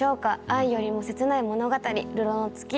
愛よりも切ない物語『流浪の月』